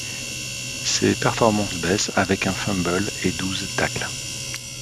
Ses performances baissent avec un fumble et douze tacles.